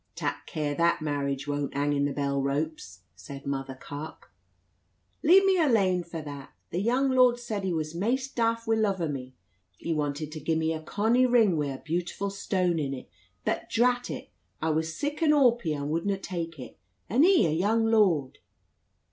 "Tak care that marriage won't hang i' the bell ropes," said Mother Carke. "Leave me alane for that. The young lord said he was maist daft wi' luv o' me. He wanted to gie me a conny ring wi' a beautiful stone in it. But, drat it, I was sic an awpy I wudna tak it, and he a young lord!"